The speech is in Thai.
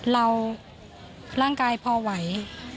ร่างกายพอไหว